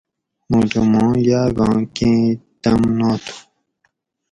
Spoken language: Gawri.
موٹو ماں یاۤگاں کئ طم ناتھو